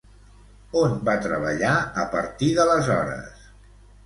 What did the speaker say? On va treballar a partir d'aleshores?